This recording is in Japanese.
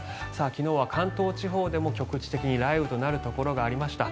昨日は関東地方でも局地的に雷雨となるところがありました。